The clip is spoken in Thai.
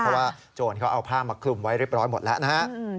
เพราะว่าโจรเขาเอาผ้ามาคลุมไว้เรียบร้อยหมดแล้วนะฮะ